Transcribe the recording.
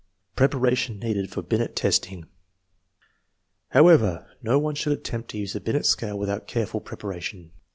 Preparation needed for Binet testing. However, no one should attempt to use the Binet scale without careful preparation.